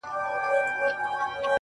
راته ايښي يې گولۍ دي انسانانو.!